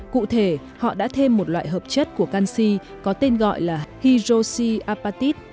cụ thể họ đã thêm một loại hợp chất của canxi có tên gọi là hyrosiapatite